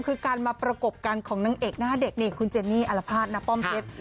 คือการมาประกบกันของนางเอกหน้าเด็กนี่คุณเจนนี่อารภาษณป้อมเพชร